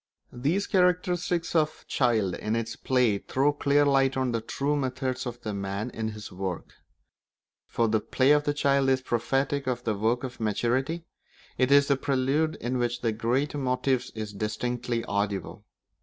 These characteristics of a child in its play throw clear light on the true methods of the man in his work; for the play of childhood is prophetic of the work of maturity; it is the prelude in which all the great motives are distinctly audible.